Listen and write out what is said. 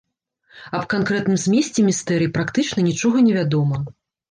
Аб канкрэтным змесце містэрый практычна нічога не вядома.